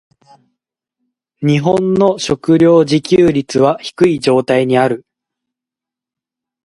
日本の食糧自給率は低い状態にある。